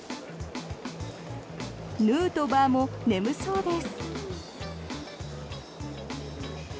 ヌートバーも眠そうです。